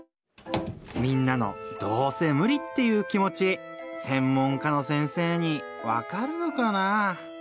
みんなの「どうせ無理」っていう気持ち専門家の先生にわかるのかなぁ？